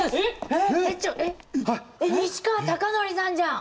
西川貴教さんじゃん！